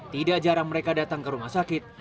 tidak jarang mereka datang ke rumah sakit